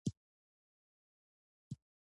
غزني د افغانانو په ټولنیز ژوند باندې پوره اغېز لري.